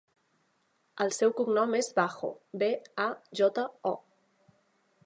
El seu cognom és Bajo: be, a, jota, o.